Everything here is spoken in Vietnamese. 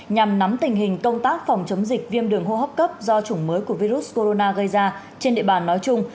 nhằm nắm tình hình công tác phòng chống dịch viêm đường hô hấp cấp do chủng mới của virus corona gây ra trên địa bàn nói chung